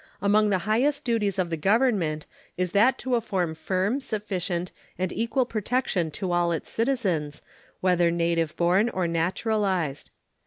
Among the highest duties of the Government is that to afford firm, sufficient, and equal protection to all its citizens, whether native born or naturalized.